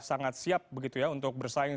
sangat siap begitu ya untuk bersaing